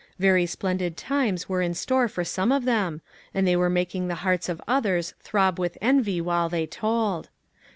Very splendid times were in store for some of them, and they were making the hearts of others throb with envy while they told.